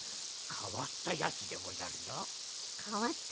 かわったやつでござるぞ。